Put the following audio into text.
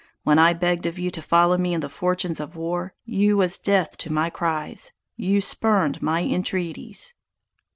When I begged of you to follow me in the fortunes of war, you was deaf to my cries you spurned my entreaties!